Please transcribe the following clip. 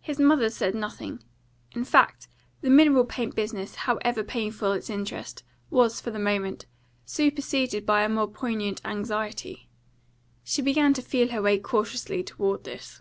His mother said nothing. In fact, the mineral paint business, however painful its interest, was, for the moment, superseded by a more poignant anxiety. She began to feel her way cautiously toward this.